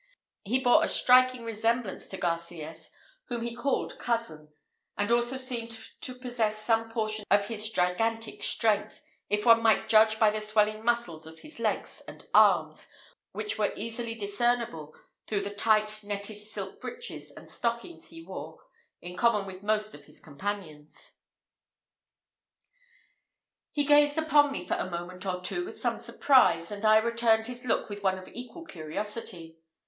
He bore a striking resemblance to Garcias, whom he called cousin, and also seemed to possess some portion of his gigantic strength, if one might judge by the swelling muscles of his legs and arms, which were easily discernible through the tight netted silk breeches and stockings he wore in common with most of his companions. He gazed upon me for a moment or two with some surprise, and I returned his look with one of equal curiosity.